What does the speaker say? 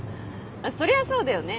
そりゃそうだよね。